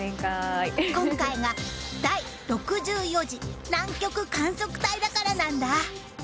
今回が第６４次南極観測隊だからなんだ。